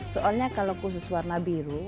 soalnya kalau khusus warna biru